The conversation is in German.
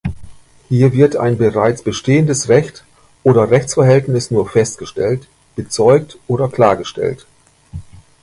Hier wird ein bereits bestehendes Recht oder Rechtsverhältnis nur festgestellt, bezeugt oder klargestellt.